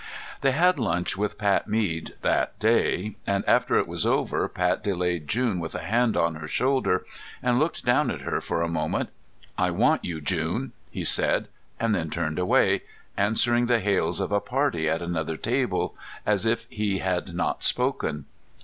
They had lunch with Pat Mead that day, and after it was over Pat delayed June with a hand on her shoulder and looked down at her for a moment. "I want you, June," he said and then turned away, answering the hails of a party at another table as if he had not spoken.